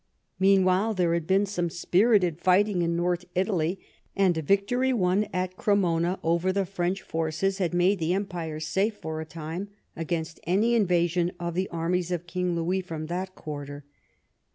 Meanwhile there had been some spirited fighting in north Italy, and a victory won at Cremona over the French forces had made the em pire safe for a time against any invasion of the armies of King Louis from that quarter.